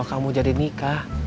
kalau kamu jadi nikah